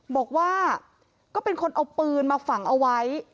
บอกว่าก็เป็นคนเอาปืนมาฝังเอาไว้